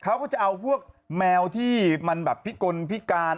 เขาก็จะเอาพวกแมวที่มันแบบพิกลพิการ